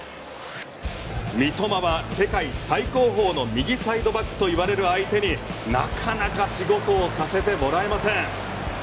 三笘は世界最高峰の右サイドバックと言われる相手になかなか仕事をさせてもらえません。